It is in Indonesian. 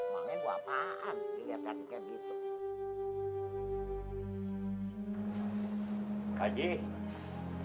makanya gua apaan liat kan kayak gitu